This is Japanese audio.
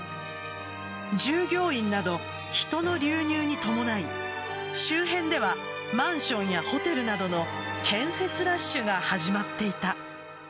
従業員など人の流入に伴い周辺ではマンションやホテルなどの建設ラッシュが始まっていた。